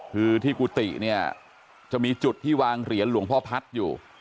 คือที่กุฏิเนี่ยจะมีจุดที่วางเหรียญหลวงพ่อพัฒน์อยู่